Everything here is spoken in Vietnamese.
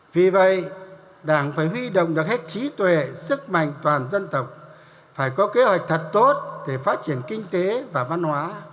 vì vậy đảng phải huy động được hết trí tuệ sức mạnh toàn dân tộc phải có kế hoạch thật tốt để phát triển kinh tế và văn hóa